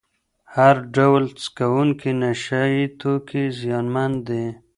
هر ډول څکونکي نشه یې توکي زیانمن دي.